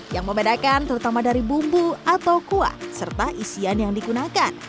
yang membedakan terutama dari bumbu atau kuah serta isian yang digunakan